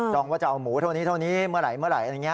ว่าจะเอาหมูเท่านี้เท่านี้เมื่อไหร่อะไรอย่างนี้